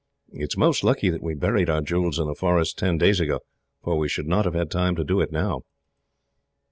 It is most lucky that we buried our jewels in the forest, ten days ago, for we should not have had time to do it, now."